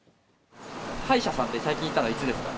歯医者さんって最近行ったのいつですか？